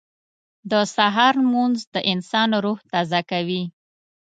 • د سهار لمونځ د انسان روح تازه کوي.